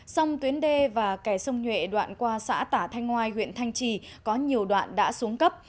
sông tuyến đê và kè sông nhuệ đoạn qua xã tả thanh ngoai huyện thanh trì có nhiều đoạn đã xuống cấp